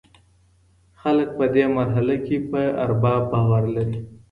خلګ په دې مرحله کي په ارباب باور لري.